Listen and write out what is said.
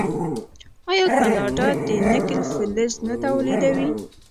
آیا کاناډا د نکل فلز نه تولیدوي؟